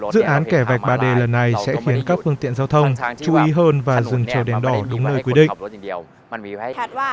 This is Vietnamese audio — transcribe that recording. dự án kẻ vạch ba d lần này sẽ khiến các phương tiện giao thông chú ý hơn và dừng chờ đèn đỏ đúng nơi quy định